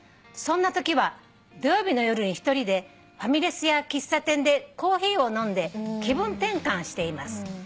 「そんなときは土曜日の夜に１人でファミレスや喫茶店でコーヒーを飲んで気分転換しています」